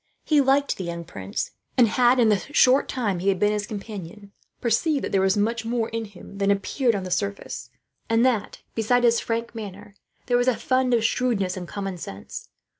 He liked the young prince; and had, in the short time he had been his companion, perceived that there was much more in him than appeared on the surface; and that, beside his frank bonhomie manner, there was a fund of shrewdness and common sense.